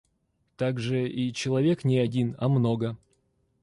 Так-же и человек не один, а много.